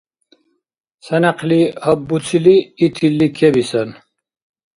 Ца някъли гьабуцили, итилли кебисан.